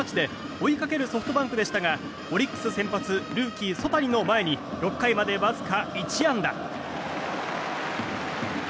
追いかけるソフトバンクでしたがオリックス先発ルーキー、曽谷の前に６回までわずか１安打。